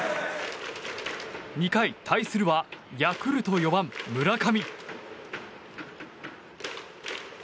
２回、対するはヤクルト４番、村上。